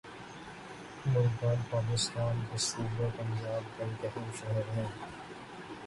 ملتان پاکستان کے صوبہ پنجاب کا ایک اہم شہر ہے